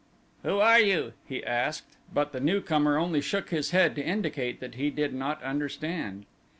"Who are you?" he asked, but the newcomer only shook his head to indicate that he did not understand.